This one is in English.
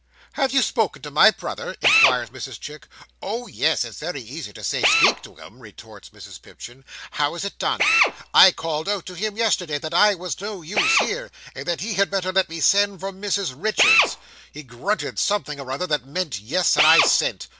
"Have you spoken to my brother?" inquires Mrs Chick "Oh, yes, it's very easy to say speak to him," retorts Mrs Pipchin. "How is it done? I called out to him yesterday, that I was no use here, and that he had better let me send for Mrs Richards. He grunted something or other that meant yes, and I sent.